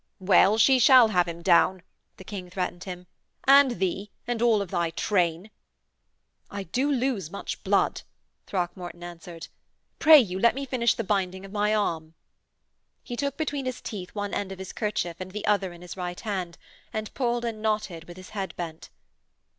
'Well, she shall have him down,' the King threatened him. 'And thee! and all of thy train!' 'I do lose much blood,' Throckmorton answered. 'Pray you let me finish the binding of my arm.' He took between his teeth one end of his kerchief and the other in his right hand, and pulled and knotted with his head bent.